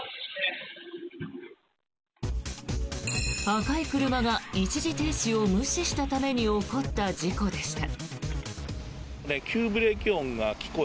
赤い車が一時停止を無視したために起こった事故でした。